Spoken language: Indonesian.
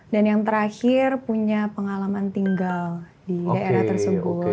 yang terakhir punya pengalaman tinggal di daerah tersebut